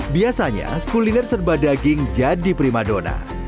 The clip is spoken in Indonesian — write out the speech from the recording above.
biasanya kuliner serba daging jadi prima dona